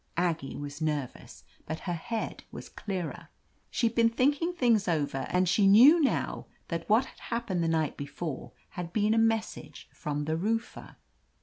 Aggie was nervous, but her head was clearer. She'd been thinking things over, and she knew now that what had /hap pened the night before had been a message from the roofer.